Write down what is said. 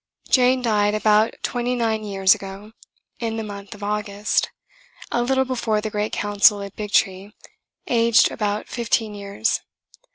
Jane died about twenty nine years ago, in the month of August, a little before the great Council at Big Tree, aged about fifteen years.